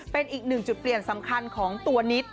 เป็นอีกหนึ่งจุดเปลี่ยนสำคัญของตัวนิด